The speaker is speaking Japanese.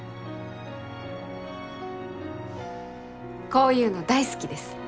こういうの大好きです。